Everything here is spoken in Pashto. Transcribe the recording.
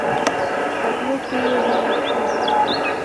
په تابلو کې يې ورځ شپې ته